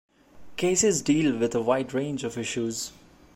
Cases deal with a wide range of issues.